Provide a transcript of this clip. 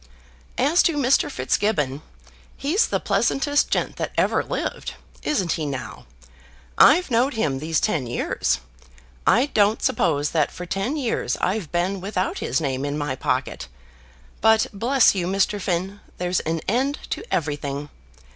"As to Mr. Fitzgibbon, he's the pleasantest gent that ever lived. Isn't he now? I've know'd him these ten years. I don't suppose that for ten years I've been without his name in my pocket. But, bless you, Mr. Finn, there's an end to everything.